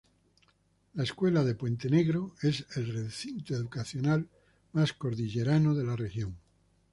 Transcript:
La escuela de Puente Negro, es el recinto educacional más cordillerano de la región.